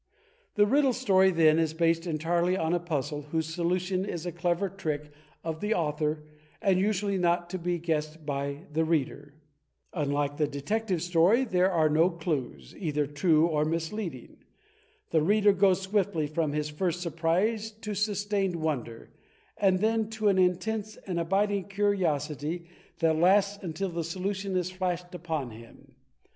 The Riddle Story, then, is based entirely on a puzzle whose solution is a clever trick of the author and usually not to be guessed by the reader. Unlike the Detective Story, there are RIDDLE STORIES 41 no clues, either true or misleading. The reader goes swiftly from his first surprise to sustained wonder, and then to an intense and abiding curiosity that lasts until the solution is flashed upon him.